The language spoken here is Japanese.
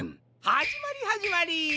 はじまりはじまり！